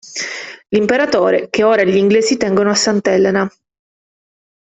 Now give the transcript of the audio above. L'Imperatore che ora gl'inglesi tengono a Sant'Elena.